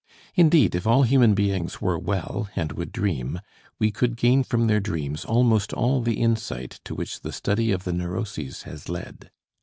Indeed, if all human beings were well and would dream, we could gain from their dreams almost all the insight to which the study of the neuroses has led.